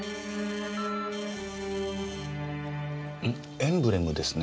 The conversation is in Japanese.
エンブレムですね。